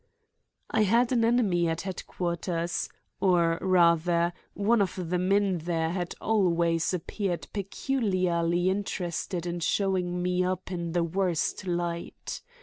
I had an enemy at headquarters; or, rather, one of the men there had always appeared peculiarly interested in showing me up in the worst light.